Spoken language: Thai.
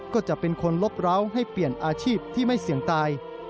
ก็จะเป็นคนลบร้าวให้เปลี่ยนอาชีพที่ไม่เสี่ยงตาย